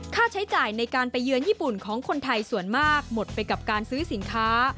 ค่าใช้จ่ายในการไปเยือนญี่ปุ่นของคนไทยส่วนมากหมดไปกับการซื้อสินค้า